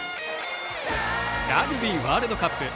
ラグビーワールドカップ。